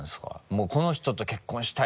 もうこの人と結婚したい。